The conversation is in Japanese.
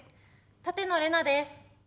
舘野伶奈です。